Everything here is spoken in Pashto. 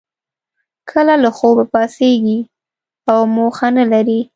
که له خوبه پاڅیږی او موخه نه لرئ